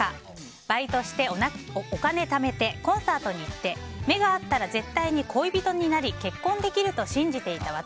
バイトしてお金ためてコンサートに行って目が合ったら絶対に恋人になり結婚できると信じていた私。